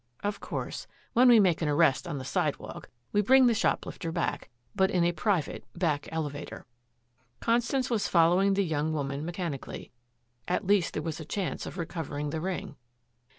Of course, when we make an arrest on the sidewalk, we bring the shoplifter back, but in a private, back elevator." Constance was following the young woman mechanically. At least there was a chance of recovering the ring.